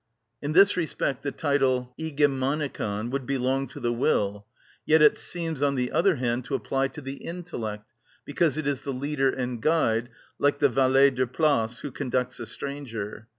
In this respect the title Ηγεμονικον would belong to the will; yet it seems, on the other hand, to apply to the intellect, because it is the leader and guide, like the valet de place who conducts a stranger.